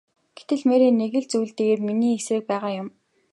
Гэтэл Мэри нэг л зүйл дээр миний эсрэг байгаа юм.